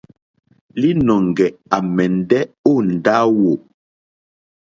Līnɔ̄ŋgɛ̄ à mɛ̀ndɛ́ ó ndáwù.